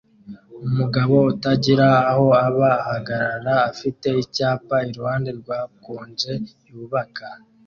Umugabo utagira aho aba ahagarara afite icyapa iruhande rwa conge yubaka